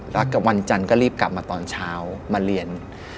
แล้วก็วันจันทร์ก็รีบกลับมาตอนเช้ามาเรียน